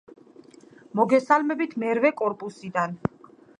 მოგესალმებით მერვე კორპუსიდან.